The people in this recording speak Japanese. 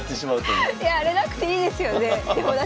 いやあれなくていいですよね。